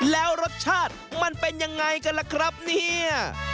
แล้วรสชาติมันเป็นยังไงกันล่ะครับเนี่ย